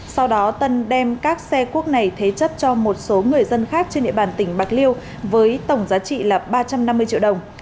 sau đó tân đem các xe cuốc này thế chấp cho một số người dân khác trên địa bàn tỉnh bạc liêu với tổng giá trị là ba trăm năm mươi triệu đồng